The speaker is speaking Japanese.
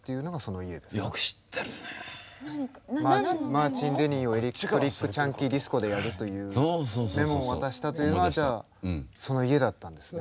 マーティン・デニーをエレクトリック・チャンキー・ディスコでやるというメモを渡したというのはじゃあその家だったんですね。